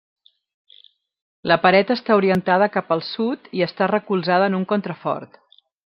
La paret està orientada cap al sud i està recolzada en un contrafort.